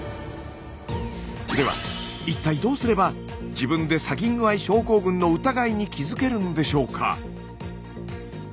では一体どうすれば自分でサギングアイ症候群の疑いに気づけるんでしょうか？